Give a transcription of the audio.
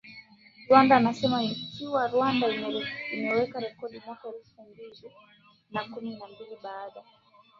Rwanda Anasema akiwa Rwanda aliweka rekodi mwaka elfu mbili na kumi na mbili baada